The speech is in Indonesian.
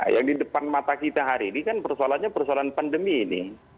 yang di depan mata kita hari ini kan persoalannya persoalan pandemi ini